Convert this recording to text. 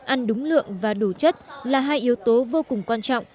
ăn đúng lượng và đủ chất là hai yếu tố vô cùng quan trọng